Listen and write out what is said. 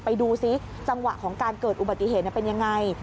ไปดูซิจังหวะของการเกิดอุบัติเหตุเป็นยังไง